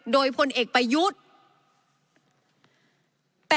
โดยพลเอกประยุทธ์